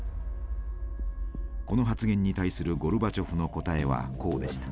この発言に対するゴルバチョフの答えはこうでした。